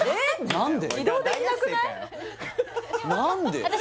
何で？